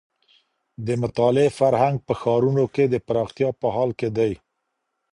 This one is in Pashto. د مطالعې فرهنګ په ښارونو کي د پراختيا په حال کي دی.